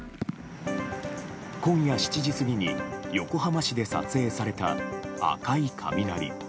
今夜７時過ぎに横浜市で撮影された赤い雷。